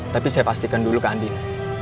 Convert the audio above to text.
tapi saya pastikan dulu ke andi